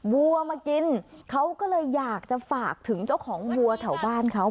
วัวมากินเขาก็เลยอยากจะฝากถึงเจ้าของวัวแถวบ้านเขา